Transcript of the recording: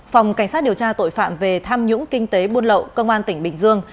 phòng cảnh sát điều tra tội phạm về tham nhũng kinh tế buôn lậu công an tỉnh bình dương